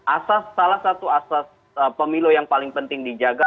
asas salah satu asas pemilu yang paling penting dijaga